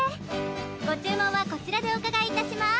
ご注文はこちらでお伺いいたします！